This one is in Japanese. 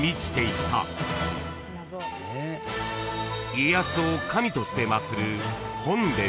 ［家康を神として祭る］